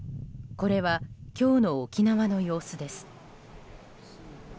これは今日の沖縄の様子です。